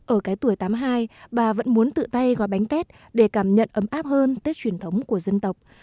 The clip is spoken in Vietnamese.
ở cái tuổi tám mươi hai bà vẫn muốn tự tay gói bánh tết để cảm nhận ấm áp hơn tết truyền thống của dân tộc